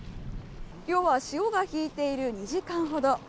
漁は潮が引いている２時間ほど。